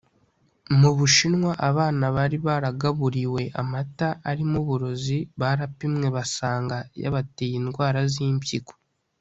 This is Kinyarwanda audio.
Mu Bushinwa abana bari baragaburiwe amata ari mo uburozi barapimwe basanga yabateye indwara z’impyiko